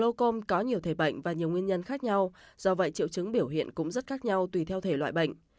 lô com có nhiều thể bệnh và nhiều nguyên nhân khác nhau do vậy triệu chứng biểu hiện cũng rất khác nhau tùy theo thể loại bệnh